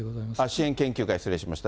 支援研究会、失礼しました。